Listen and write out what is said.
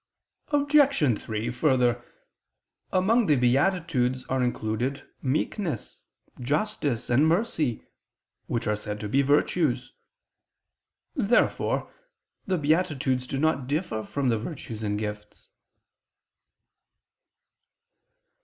Obj. 3: Further, among the beatitudes are included meekness, justice, and mercy, which are said to be virtues. Therefore the beatitudes do not differ from the virtues and gifts.